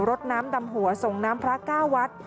รถน้ำดำหัวส่งน้ำพระเก้าวัด